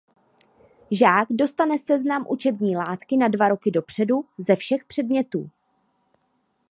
Žák dostane seznam učební látky na dva roky dopředu ze všech předmětů.